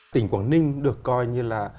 tỉnh quảng ninh được coi như là